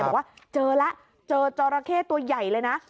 บอกว่าเจอแล้วเจอจอราเข้ตัวใหญ่เลยนะ